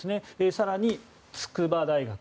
更に筑波大学。